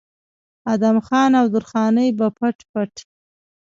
ادم خان او درخانۍ به پټ پټ